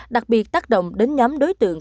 đặc biệt tác động đến nhóm đối tượng